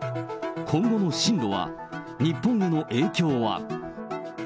今後の進路は、日本への影響は。